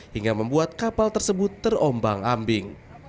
hingga membuat kapal tersebut terombang ambing